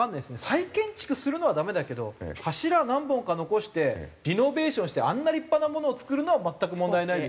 再建築するのはダメだけど柱何本か残してリノベーションしてあんな立派なものを造るのは全く問題ないですよと。